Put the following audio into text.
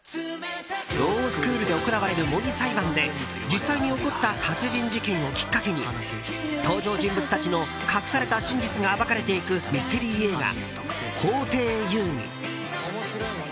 ロースクールで行われる模擬裁判で実際に起こった殺害事件をきっかけに登場人物たちの隠された真実が暴かれていくミステリー映画「法廷遊戯」。